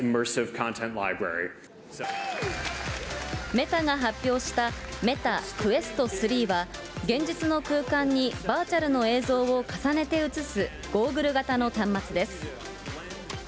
メタが発表したメタ・クエスト３は、現実の空間にバーチャルの映像を重ねて映すゴーグル型の端末です。